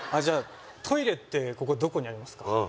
じゃトイレってここどこにありますか？